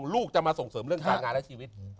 ลูกจะมาส่งเสริมเรื่องการงานและชีวิต